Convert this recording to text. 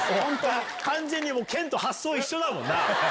完全に健と発想一緒だもんな。